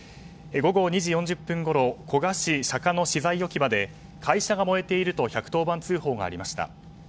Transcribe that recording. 午後２時４０分ごろ古河市釈迦の資材置き場で会社が燃えていると１１０番通報がありました。